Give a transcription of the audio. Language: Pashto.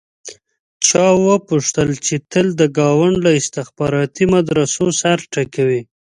چا وپوښتل چې تل د ګاونډ له استخباراتي مدرسو سر ټکوې.